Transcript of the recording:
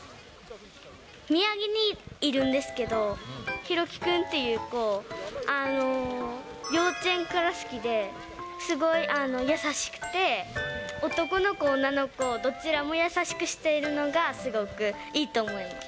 宮城にいるんですけど、ひろき君っていう子、幼稚園から好きで、すごい優しくて、男の子、女の子、どちらも優しくしているのが、すごくいいと思います。